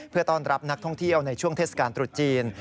เพื่อต้อนรับนักท่องเที่ยวในช่วงเทศกาลตรุษจีน